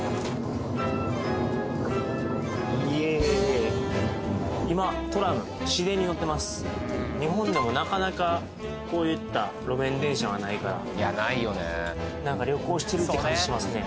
イエーイ日本でもなかなかこういった路面電車はないからいやないよねなんか旅行してるって感じしますね